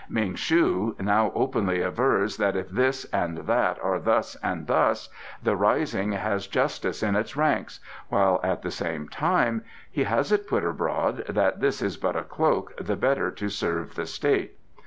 Ming shu now openly avers that if this and that are thus and thus the rising has justice in its ranks, while at the same time he has it put abroad that this is but a cloak the better to serve the state.